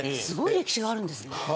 すごい歴史があるんですね。